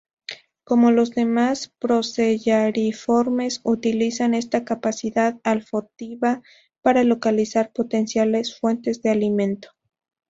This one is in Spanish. Como los demás Procellariiformes, utilizan esta capacidad olfativa para localizar potenciales fuentes de alimento.